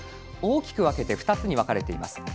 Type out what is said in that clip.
大きく分けて２つに分かれています。